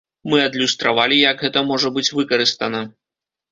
Мы адлюстравалі, як гэта можа быць выкарыстана.